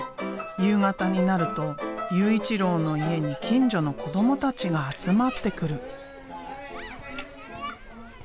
夕方になると悠一郎の家に近所の子どもたちが集まってくる。